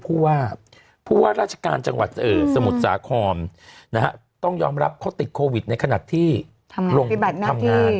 ผู้ว่าราชการจังหวัดสมุทรสาครต้องยอมรับเขาติดโควิดในขณะที่ทำงาน